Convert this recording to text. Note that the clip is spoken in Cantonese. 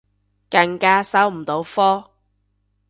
更加收唔到科